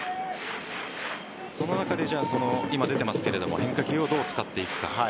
その中で今出ていますが変化球をどう使っていくか。